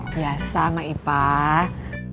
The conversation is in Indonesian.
biasa pak ipah